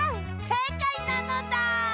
せいかいなのだ！